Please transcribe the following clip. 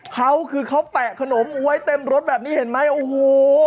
เขาคือเขาแปะขนมไว้เต็มรถแบบนี้เห็นไหมโอ้โห